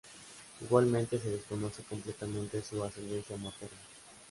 Igualmente se desconoce completamente su ascendencia materna.